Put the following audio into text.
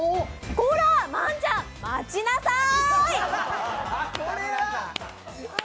コラッ、万ちゃん、待ちなさい！